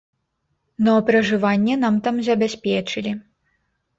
Ну, а пражыванне нам там забяспечылі.